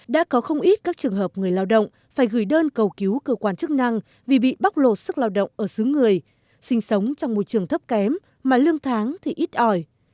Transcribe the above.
đã có không ít các trường hợp người lao động phải gửi đơn cầu cứu cơ quan chức năng vì bị bóc lột sức lao động ở xứ người sinh sống trong môi trường thấp kém mà lương tháng thì ít ỏi